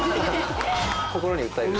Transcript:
心に訴える？